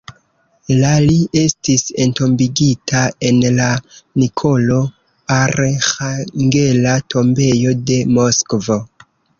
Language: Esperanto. La li estis entombigita en la Nikolo-Arĥangela tombejo de Moskvo.